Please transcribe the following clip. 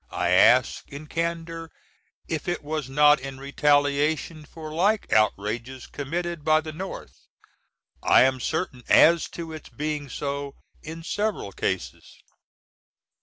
I ask, in candor, if it was not in retaliation for like outrages com^td by the North. I am certain as to its being so in several cases.